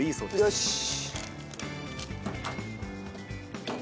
よし。